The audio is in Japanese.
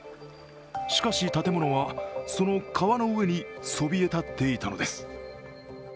しかし、建物はその川の上にそびえ立っていたのです。